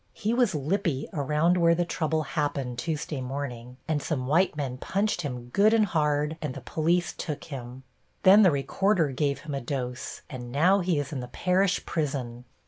He was lippy around where the trouble happened Tuesday morning, and some white men punched him good and hard and the police took him. Then the recorder gave him a dose, and now he is in the parish prison."